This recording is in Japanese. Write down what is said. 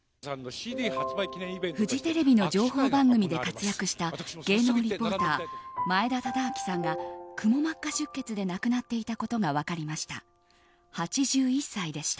フジテレビの情報番組で活躍した芸能リポーター前田忠明さんがくも膜下出血で亡くなっていたことが分かりました。